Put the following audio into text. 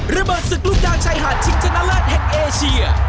ระเบิดศึกลูกดางชายหาดชิงชะนาเลิศแห่งเอเชีย